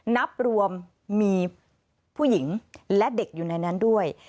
นับรวมมีผู้หญิงและเด็กอยู่ในนั้นด้วย